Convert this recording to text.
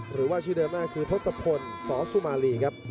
หรือว่าชื่อเดิมมากคือทศพลสสุมารีครับ